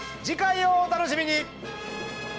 次回をお楽しみに！